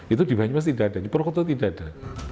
itu di banyumas tidak ada di purwokerto tidak ada